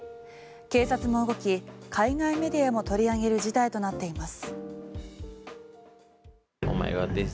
警察も動き、海外メディアも取り上げる事態となっています。